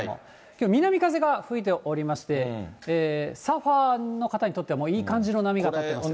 きょう、南風が吹いておりまして、サーファーの方にとっては、もういい感じの波が立ってます。